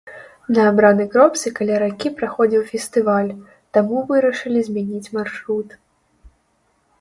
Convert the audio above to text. На абранай кропцы каля ракі праходзіў фестываль, таму вырашылі змяніць маршрут.